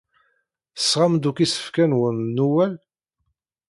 Tesɣam-d akk isefka-nwen n Newwal?